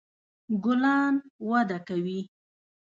ګلان وده کوي